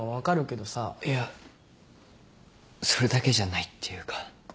いやそれだけじゃないっていうか。